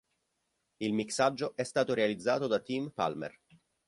Il mixaggio è stato realizzato da Tim Palmer.